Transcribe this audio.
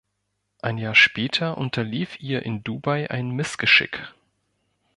Ein Jahr später unterlief ihr in Dubai ein Missgeschick.